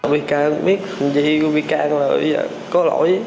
mỹ biết gì của mỹ có lỗi